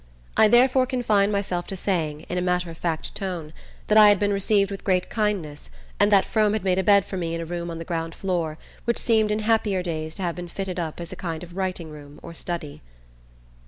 I therefore confined myself to saying, in a matter of fact tone, that I had been received with great kindness, and that Frome had made a bed for me in a room on the ground floor which seemed in happier days to have been fitted up as a kind of writing room or study.